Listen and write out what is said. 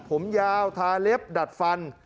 ผมยาวทาเล็บดัดฟัน